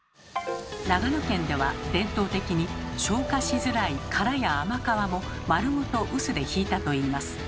長野県では伝統的に消化しづらい殻や甘皮も丸ごと臼でひいたといいます。